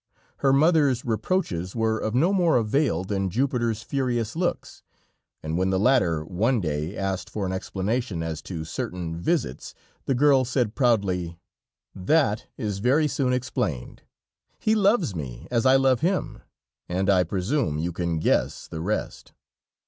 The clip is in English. Her mother's reproaches were of no more avail than Jupiter's furious looks, and when the latter one day asked for an explanation as to certain visits, the girl said proudly: "That is very soon explained. He loves me as I love him, and I presume you can guess the rest."